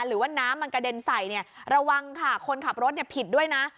หรือว่าน้ำมันกระเด็นใส่เนี่ยระวังค่ะคนขับรถผิดด้วยนะ